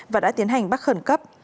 và đã tiến hành bắt khẩn cấp